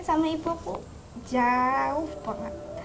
sama ibuku jauh banget